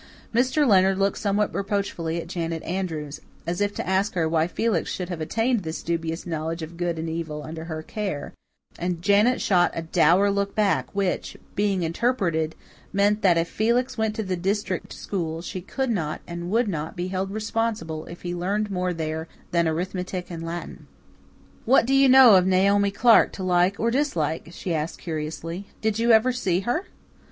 Mr. Leonard looked somewhat reproachfully at Janet Andrews, as if to ask her why Felix should have attained to this dubious knowledge of good and evil under her care; and Janet shot a dour look back which, being interpreted, meant that if Felix went to the district school she could not and would not be held responsible if he learned more there than arithmetic and Latin. "What do you know of Naomi Clark to like or dislike?" she asked curiously. "Did you ever see her?"